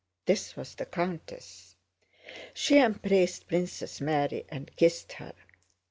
This was the countess. She embraced Princess Mary and kissed her.